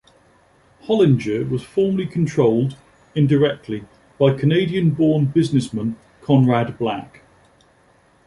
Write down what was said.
Hollinger was formerly controlled, indirectly, by Canadian-born businessman Conrad Black.